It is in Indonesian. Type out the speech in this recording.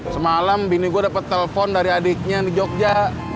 semalam bini gue dapet telpon dari adiknya di jogja